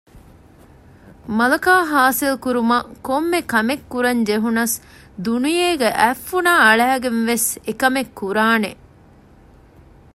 މަލަކާ ހާސިލް ކުރުމަށް ކޮންމެ ކަމެއް ކުރަން ޖެހުނަސް ދުނިޔޭގައި އަތް ފުނާ އަޅައިގެން ވެސް އެކަމެއް ކުރާނެ